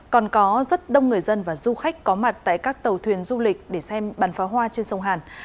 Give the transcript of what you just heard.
còn có rất đông người dân và du khách có mặt tại các tàu thuyền du lịch để xem bắn phá hoa trên sông hàn